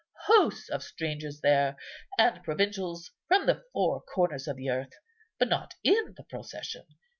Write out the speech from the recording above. Hosts of strangers there, and provincials from the four corners of the earth, but not in the procession.